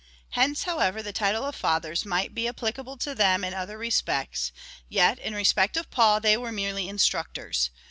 Hence, however the title of fathers might be applicable to them in other respects, yet in respect of Paul, they were merely instructors.